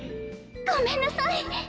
「ごめんなさい」。